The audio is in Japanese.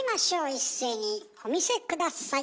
一斉にお見せ下さい！